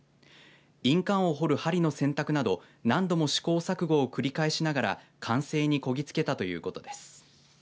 印鑑を掘る針の選択など何度も試行錯誤を繰り返しながら完成にこぎ着けたということです。